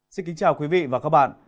xin kính chào quý vị và các bạn